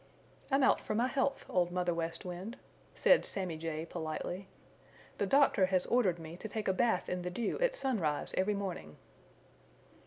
"I'm out for my health, Old Mother West Wind," said Sammy Jay politely. "The doctor has ordered me to take a bath in the dew at sunrise every morning."